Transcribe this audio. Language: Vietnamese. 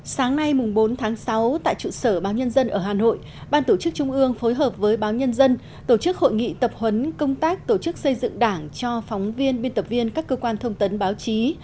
sáng nay bốn tháng sáu tại trụ sở báo nhân dân ở hà nội ban tổ chức trung ương phối hợp với báo nhân dân tổ chức hội nghị tập huấn công tác tổ chức xây dựng đảng cho phóng viên biên tập viên các cơ quan thông tấn báo chí